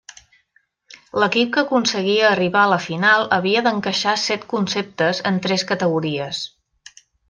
L'equip que aconseguia arribar a la final havia d'encaixar set conceptes en tres categories.